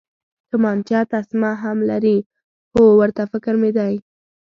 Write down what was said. تومانچه تسمه هم لري، هو، ورته فکر مې دی.